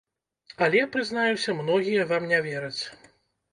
Але, прызнаюся, многія вам не вераць.